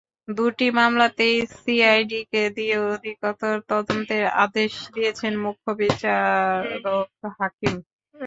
দুটি মামলাতেই সিআইডিকে দিয়ে অধিকতর তদন্তের আদেশ দিয়েছেন মুখ্য বিচারিক হাকিম।